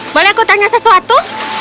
boleh aku tanya sesuatu